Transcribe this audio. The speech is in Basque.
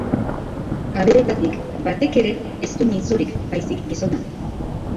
Abereetatik batek ere ez du mintzorik baizik gizonak.